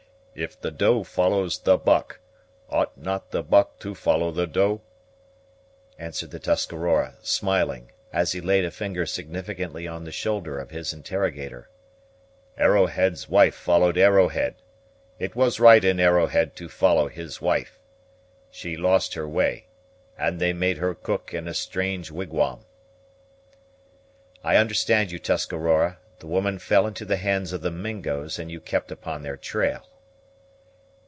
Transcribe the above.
"If the doe follows the buck, ought not the buck to follow the doe?" answered the Tuscarora, smiling, as he laid a finger significantly on the shoulder of his interrogator. "Arrowhead's wife followed Arrowhead; it was right in Arrowhead to follow his wife. She lost her way, and they made her cook in a strange wigwam." "I understand you, Tuscarora. The woman fell into the hands of the Mingos, and you kept upon their trail."